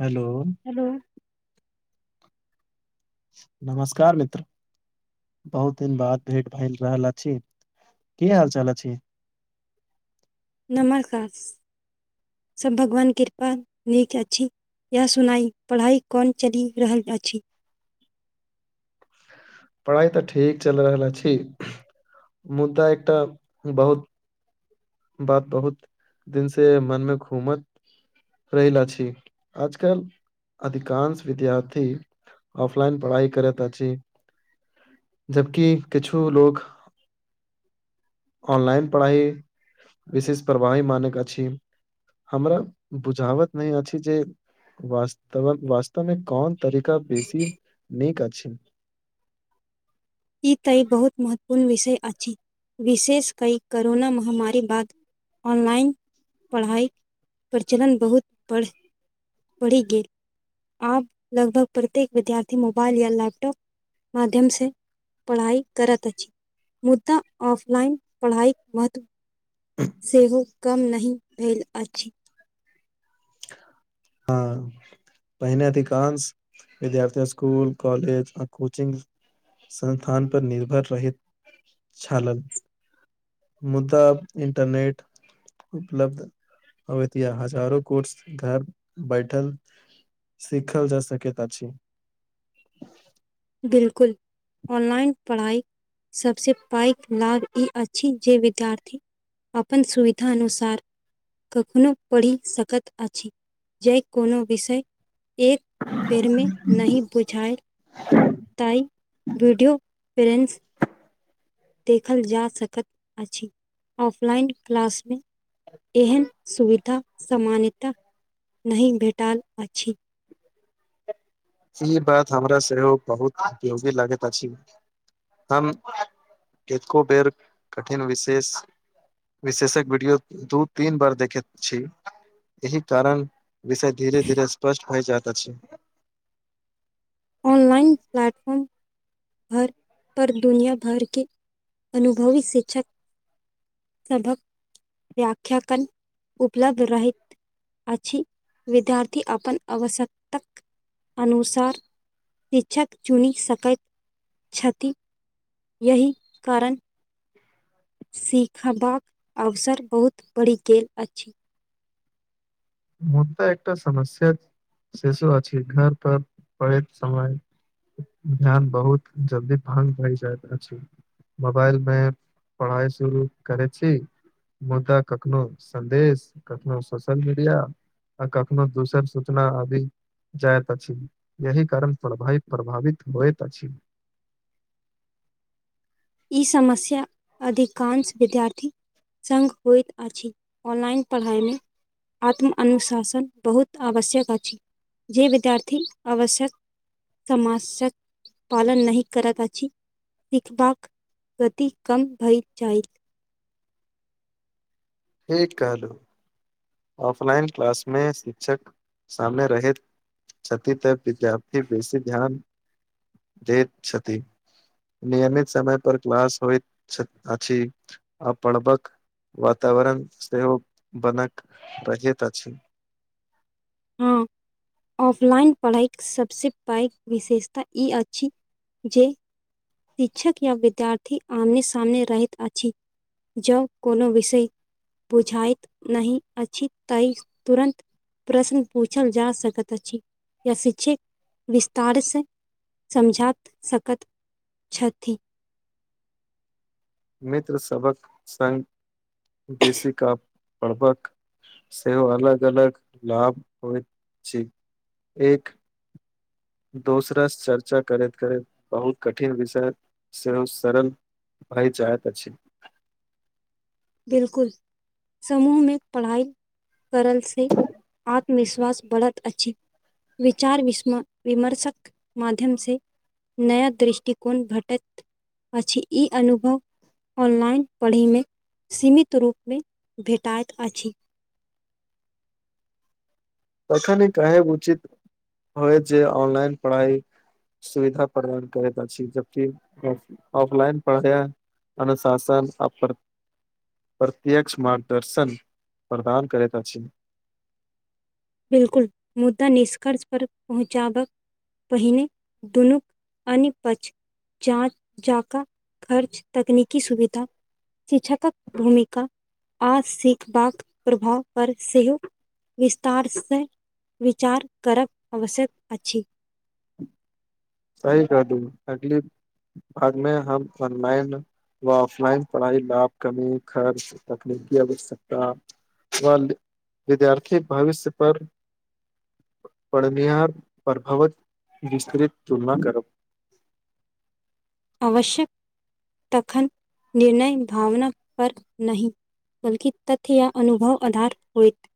Hello. Hello. नमस्कार मित्र। बहुत दिन बाद भेट भए रहल अछि की हालचाल अछि छी नमस्कार सभ भगवान कृपा नीक अछि इएह सुनाइ पढ़ाइ कोन चलि रहल अछि। पढ़ाई तऽ ठीक चलि रहल छी मुद्दा एकटा बहुत। बात बहुत दिन से मन मे घूम रहिला छैय आज कल अधिकाश विद्यार्थी ऑफलाइन पढ़ाइ करैत अछि जबकि किछु लोग ऑनलाइन पढ़ाई विशेष प्रवाही मान कऽ अछि हमरा बुझावत नहि अछि जे वस्त वास्तवमे कोन तरीका बेसी नीक छै तऽ ई बहुत महत्वपूर्ण विषय अछि विशेष क करोना महामारी बाद ऑनलाइन पढ़ाई प्रचलन बहुत बढ़ बड़ी गेल। आब लगभग प्रत्येक विद्यार्थी मोबाइल या लैपटॉप माध्यम स पढ़ाई करत अछि मुद्दा ऑफलाइन पढ़ाई मत सेहो कम नहि भेल अछि हँ पहिने अधिकांश विद्यार्थी स्कूल कॉलेज आ कोचिंग संस्थान पर निर्भर रहैत छलल मुद्दा इंटरनेट उपलब्ध अबतिया हजारो काँस घर बैठल सिखल जा सकैत अछि बिल्कुल ऑनलाइन पढ़ाइ सबसे पैघ लाभ ई अछि जे विद्यार्थी अपन सुविधा अनुसार कखनो पढ़ि सकैत अछि जे कोनो विषय एक बेरमे नहि बुझाए तई वीडियोॉन्फ्रेंस देखल जा सकैत अछि ऑफलाइन क्लासमे एहन सुविधा सामान्यतः नहि भेटल अछि ई बात हमरा सेहो बहुत उपयोगी लागैत अछि हम एको बेर कठिन विशेष विशेषज वीडियो दू तीन बार देखैत छी एहि कारण विषय धीरे धीरे स्पष्ट होइ जाइत अछि ऑनलाइन प्लाटफॉर्म भर पर दुनिया भर के अनुभवी शिक्षा सबहक व्यख्यन उपलब्ध रहैत अछि विद्यार्थी अपन आवश्यक अनुसार शिक्षक चुनि सकैत छथि यही कारण सीखबाक अवसर बहुत बढ़ि गेल अछि मुर्दा एकटा समस्या सेहो अछि छै घर पर पढ़ेसमय ध्यान बहुत जल्दी भंग भऽ जाय आछि मोबाइल मऽ पढ़ाइ शुरू करै छी मुद्दा कखनो संदेश कखनो सोशल मीडिया आ कखनो दोसर सूचना आदि जायइत अछि यहि कारण प्रभ प्रभावित होयइत अछि ई समस्या अधिकांश विद्यार्थी संग होइत अछि ऑनलाइन पढ़ाइमे आत्मअनुशासन बहुत आवश्यक अछि जे विद्यार्थी आवश्यक समाज पालन नहि करत आहि सिखबाक गति कम भय जाइत ठिक कहलू ऑफलाइन क्लास मऽ शिक्षक सामने रह छथि तऽ विद्यार्थी बेसी ध्यान दैत छथि नियमित समय पर क्लास होइत अछि प आ पबक वातावरण सेहो बनक बजित अछि हाँ, [inaudible] ऑफलाइन पढ़ाइके सबसँ पैघ विशेषता ई अछि जे शिक्षक या विद्यार्थी आमने सामने रहैत अछि जब कोनो विषय बुझाायत नहि अछि तै तुरन्त प्रश्न पूछल जा सकैत अछि या शिक्षक विस्तारसँ समझात सकत छथि मित्र सबक संग बेसीक आपरबक सेहो अलग अलग लाभ होइ छै एक दोसरा चर्चा करैत करैत बहुत कठिन विषय सेहो सरल भइ जैत अछि बिल्कुल समूह मे पढ़ाई करल से आत्मविश्वास बढ़त अछि विचार विस्म विमर्शक माध्यम से नया दृष्टिकोण भेटैत अछि ई अनुभव ऑनलाइन पढ़यमे सीमित रूपमे भेटाइत अछि तखन कहेब उचित होयत जे ऑनलाइन पढ़ाइ सुविधा प्रदान करैत अछि जबकि ऑफ- ऑफलाइन पढ़ाया अनुशासन आ प्र [unintelligible] प्रत्यक्ष मार्गदर्शन प्रदान करैत अछि बिलकुल मुदा निष्कर्ष पर पहुँचाबक पहिने दुनु अनी पच [unintelligible] जाँच जाका खर्च तकनीकी सुविधा शिक्षकक भूमिका आ सिखबाक प्रभाव पर सेहो विस्तार से विचार करब आवश्यक अछि सही कह दू अगली भागमे हम हनुमैन व ऑफलाइन पढ़ाई लाभ कमी खर्च तकनीकी आवश्यकता वन्द विद्यार्थीक भविष्य पर परनिहार प्रभावैत विस्तृित तुलना करब आवश्यक तखन निर्णय भावनक पर नहि बल्कि तथ्य या अनुभव अधार होएत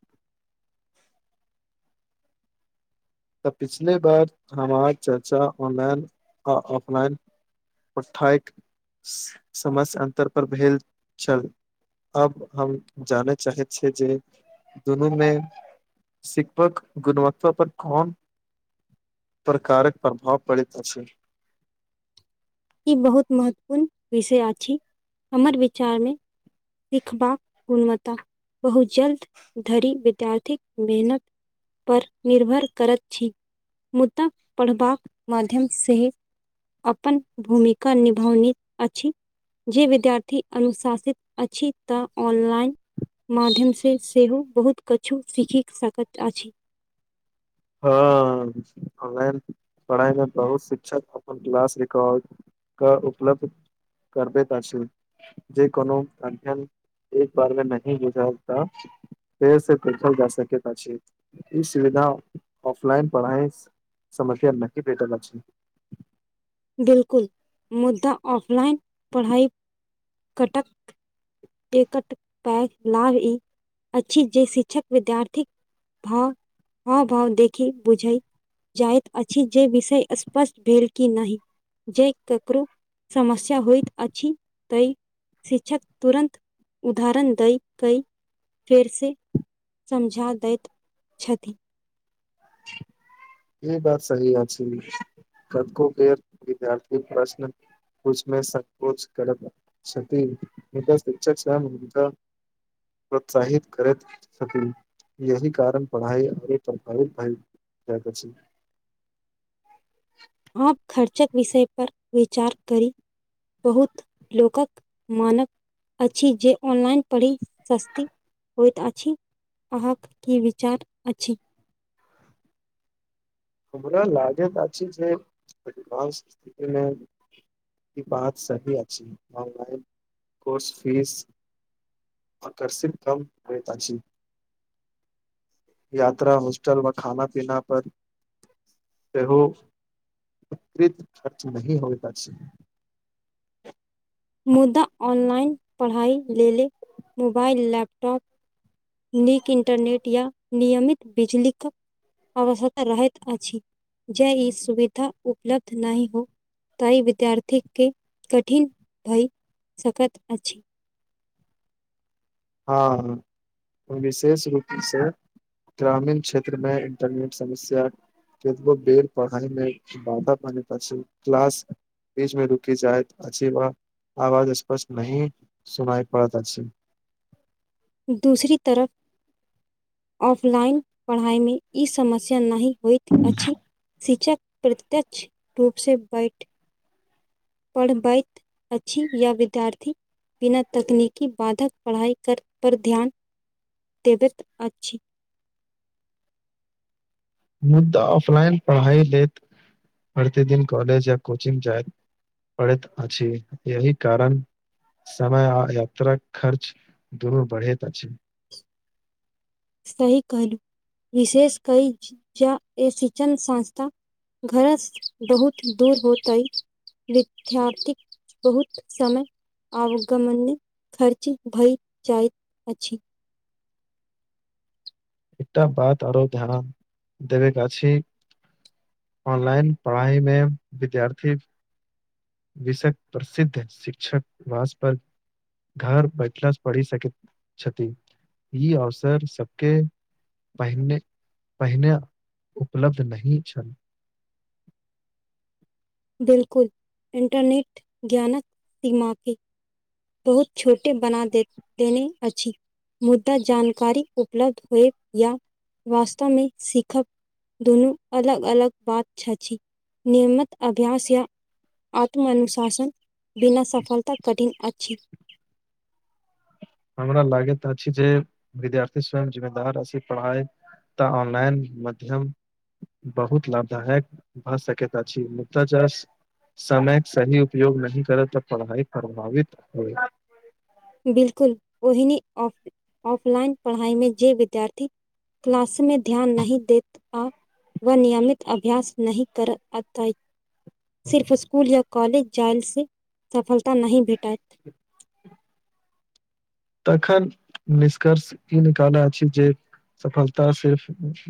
तऽ पिछले बार हमार चर्चा ऑनलाइन आ ऑफलाइन पठाइक- से- समस अन्तर पर भेल छल अब हम जानय चाहै छी जे दुनूमे शिकबाक गुणवत्ता पर कोन प्रकारक प्रभाव पड़ैत अछि ई बहुत महत्वपूर्ण विषय आछि हमर विचार मे सिखबाक गुणवत्ता बहुत जल्द धरि विद्यार्थीक मेहनत पर निर्भर करैत छै मुदा पढ़बाक माध्यम से अपन भूमिका निभौनी अछि जे विद्यार्थी अनुशासित अछि तऽ ऑनलाइन माध्यम से सेहो बहुत कछु सीखि सकैत अछि हँ ऑनलाइन पढ़ाई मे बहुत शिक्षक अपन क्लास रिकॉर्ड क उपलब्ध करबैत अछी जे कोनो अध्ययन एक बार मे नहि बुंदेल तऽ फेर से पखल [unintelligible] जा सकैत अति ई सुविधा ऑफलाइन पढ़ाइ - समस्या नहीं भेटल अछि बिलकुल मुद्दा ऑफलाइन पढ़ाई कटक एकट पैघ लाभ ई अछि जे शिक्षक विद्यार्थीक भाल हाव भाव देखी बुझै जाइत अछि जे विषय स्पष्ट भेल कि नहि। जे ककरो समस्या होइत अछि तय शिक्षक तुरन्त उदाहरण दय कय फेर से समझा दैत छथि। ई बात सही अछि कतको बेर विद्यार्थी प्रश्न पुछमे संकोच करत छथि हिनका शिक्षक छ [unintelligible] प्रोत्साहित करैत छथिन यही कारण पढ़ाइ आगे प्रभावित भइल अछि। आब खर्चक विषय पर विचार करी बहुत लोकक मानक अछि जे ऑनलाइन पढ़ी सस्ती होइत अछि। अहाँक की विचार अछि। हमरा लागैत अछि जे एडवांस स्थिति मे ई बात सही अछि। ऑनलाइन कोर्स फीस आकर्षित कम होयत अछि। यात्रा होस्टल मे खाना पीना पर सेहो [unintelligible] खर्च नहि होइत अछि। मुदा ऑनलाइन पढ़ाइ लेल मोबाइल लैपटॉप नीक इन्टरनेट या नियमित बिजलीक आवश्यकता रहैत अछि। जे ई सुविधा उपलब्ध नहि हो तऽ ई विद्यार्थी के कठिन भय सकैत अछि। हँ विशेष रूपसँ ग्रामीण क्षेत्रमें इंटरनेट समस्याक केतबो बेर पढ़ाइमे बाधा बनैत अछि क्लास बीच मे रुकी जाइत अछि व आवाज स्पष्ट नहि सुनाइ पड़त अछि। दूसरी तरफ ऑफलाइन पढ़ाइ मे ई समस्या नाहि होइत अछि शिक्षक प्रत्यक्ष रूप से बैठ पढ़बैत अछि या विद्यार्थी बिना तकनीकी बाधक पढ़ाई कर पर ध्यान देबैत अछि। मुदा ऑफलाइन पढ़ाइ लैत प्रति दिन कॉलेज या कोचिंग जायत पड़ैत अछि यही कारण समय आ यात्रा खर्च दुनु बढ़ैत अछि। सहि कहलू विशेष कहि जा ए शिक्षन संस्था घरस बहुत दूर होतै विद्यार्थीक बहुत समय आवगमण खर्च भए जाइत अछि, एकटा बात आरो ध्यान देबे के अछि। ऑनलाइन पढ़ाई मे विद्यार्थी विषयक प्रसिद्ध शिक्षक वासपर घर बैठला स बढ़ि सकैत छथि ई अवसर सबके पहिने पहिने उपलब्ध नहि छल। बिल्कुल इंटरनेट ज्ञानक दिमा के बहुत छोटे बना देत देने अछि। मुदा जानकारी उपलब्ध होएब या वास्तवमे सिखब दुनु अलग - अलग बात छथि। नियमित अभ्यास या आत्मनुशासन बिना सफलता कठिन अछि। हमरा लागैत अछि जे विद्यार्थी स्वयं जिम्मेदार अछि। पढ़ाई तऽ ऑनलाइन मध्यम बहुत लाभदायक भऽ सकत अछि। मुदा जास समयके सही उपयोग नही करे तऽ पढ़ाइ प्रभावित होए। बिलकुल ओहिनी ऑ ऑफलाइन पढ़ाई में जे विद्यार्थी क्लास में ध्यान नहि देत आ व नियमित अभ्यास नहि कर अतत सिर्फ स्कुल या कॉलेज जाइसँ सफलता नहि भेटाइत। [unintelligible] तखन निष्कर्ष ई निकालय छी जे सफलता सिर्फ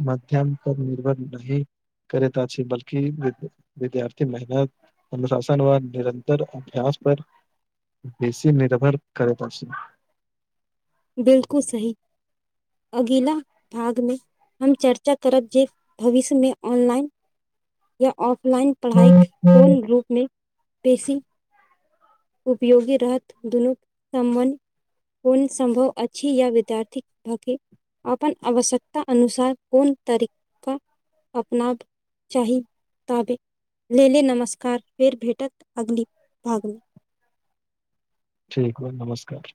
माध्यम पर निर्भर नहि करत अछि बल्कि विद्यार्थी मेहनत, अनुशासन व निरन्तर अभ्यास पर बेसी निर्भर करैत अछि। बिल्कुल सही अगिला भाग मे हम चर्चा करब जे भविष्यमे ऑनलाइन या ऑफलाइन पढ़ाई कोन रूपमे बेसी उपयोगी रहत। दुनु समामान्य कोन सम्भव अछि या विद्यार्थीके अपन आवश्यकता अनुसार कोन तरीका अपनाब चाही ताबे लेल नमस्कार। फेर भेटब अगली भागमे ठीक बा नमस्कार